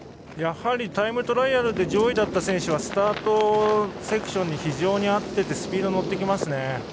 やはりタイムトライアルで上位だった選手はスタートセクションに合っていてスピードに乗ってきますね。